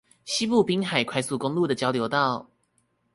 西部濱海快速公路的交流道